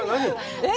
えっ！